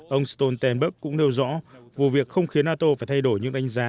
ông stoltenberg cũng nêu rõ vụ việc không khiến nato phải thay đổi những đánh giá